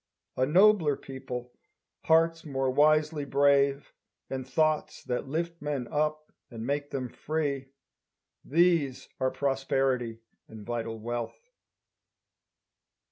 A nobler people, hearts more wisely brave, And thoughts that lift men up and make them free. These are prosperity and vital wealth!